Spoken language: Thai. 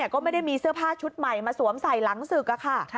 ก็ไม่ได้มีเสื้อผ้าชุดใหม่มาสวมใส่หลังศึกค่ะ